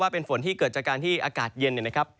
เป็นฝนที่เกิดจากการที่อากาศเย็นเนี่ยนะครับ